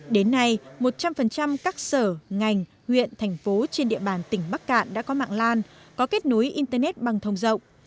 đến nay một trăm linh các sở ngành huyện thành phố trên địa bàn tỉnh bắc cạn đã có mạng lan có kết nối internet băng thông rộng